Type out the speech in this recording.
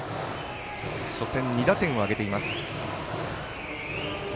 初戦２打点を挙げています。